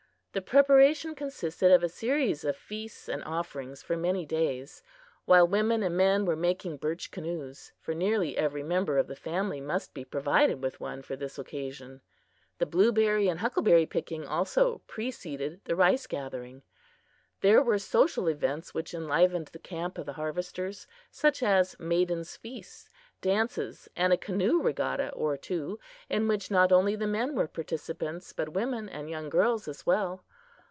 The preparation consisted of a series of feasts and offerings for many days, while women and men were making birch canoes, for nearly every member of the family must be provided with one for this occasion. The blueberry and huckleberry picking also preceded the rice gathering. There were social events which enlivened the camp of the harvesters; such as maidens' feasts, dances and a canoe regatta or two, in which not only the men were participants, but women and young girls as well.